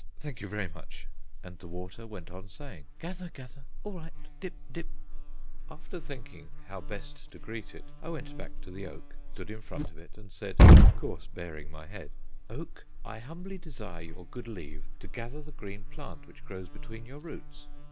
Thank you very much;" and the water went on saying "Gather gather, all right, dip dip." After thinking how best to greet it, I went back to the oak, stood in front of it and said (of course baring my head): "Oak, I humbly desire your good leave to gather the green plant which grows between your roots.